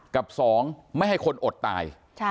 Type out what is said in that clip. กับ๒ไม่ให้คนอดตาย